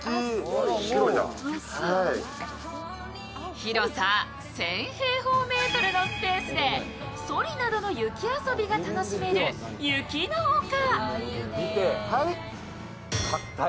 広さ１０００平方メートルのスペースでそりなどの雪遊びが楽しめる雪の丘。